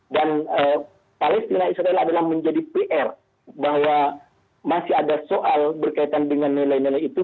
dan palestina israel adalah menjadi pr bahwa masih ada soal berkaitan dengan nilai nilai itu